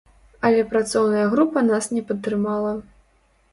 Але працоўная група нас не падтрымала.